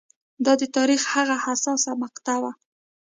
دا د تاریخ هغه حساسه مقطعه وه